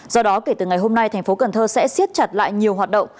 do đó kể từ ngày hôm nay thành phố cần thơ sẽ siết chặt lại nhiều hoạt động